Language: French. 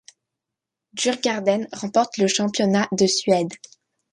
Djurgarden remporte le championnat de Suède.